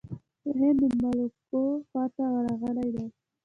د هند د ملوکو خواته ورغلی دی.